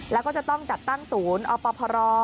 แล้วก็จะต้องจัดตั้งศูนย์อพร